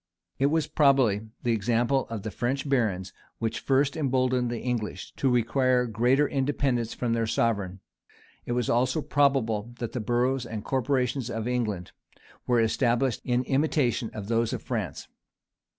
It was probably the example of the French barons, which first imboldened the English to require greater independence from their sovereign: it is also probable that the boroughs and corporations of England were established in imitation of those of France.